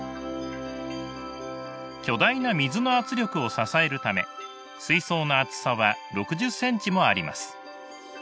巨大な水の圧力を支えるため水槽の厚さは６０ｃｍもあります。